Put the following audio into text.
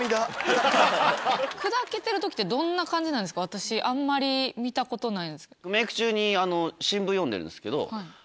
私あんまり見たことない。